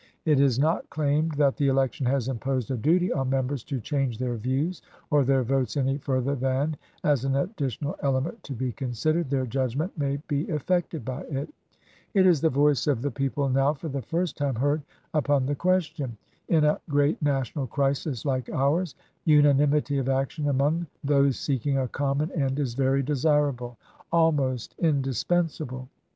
It is not claimed that the election has imposed a duty on Members to change their views or their votes any further than, as an additional element to be considered, their judgment may be affected by it. It is the voice of the people, now for the first time heard upon the question. In a great National crisis like ours unanimity of action among those seeking a common end is very desirable — almost indispensable.